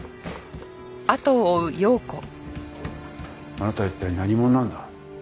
あなたは一体何者なんだ？